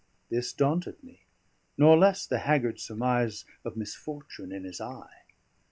This daunted me; nor less, the haggard surmise of misfortune in his eye.